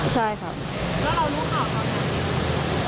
ใช่ครับ